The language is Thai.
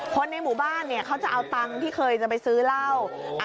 คนในหมู่บ้านเนี่ยเขาจะเอาตังค์ที่เคยจะไปซื้อเหล้า